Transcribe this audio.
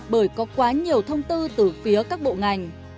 bởi có quá nhiều thông tư từ phía các bộ ngành